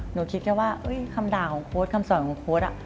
หนูคิดแค่ว่าคำด่าของโค้ดคำสอนของโค้ด